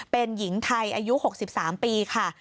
เป็นหญิงไทยอายุ๖๓ปีค่ะ